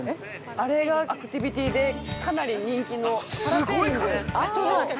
◆あれがアクティビティで、かなり人気のパラセーリングです。